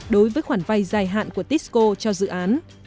đối với khoản vay dài hạn của tisco cho dự án